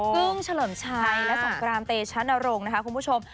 กึ้งเฉลิมชัยและสงกรานเตชะนรงค์นะคะคุณผู้ชม